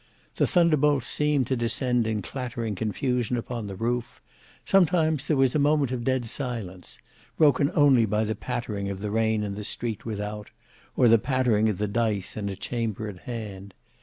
The thunderbolts seemed to descend in clattering confusion upon the roof. Sometimes there was a moment of dead silence, broken only by the pattering of the rain in the street without, or the pattering of the dice in a chamber at hand.